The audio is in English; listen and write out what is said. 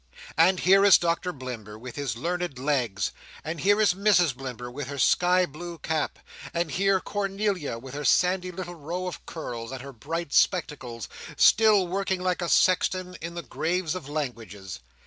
And here is Doctor Blimber, with his learned legs; and here is Mrs Blimber, with her sky blue cap; and here Cornelia, with her sandy little row of curls, and her bright spectacles, still working like a sexton in the graves of languages.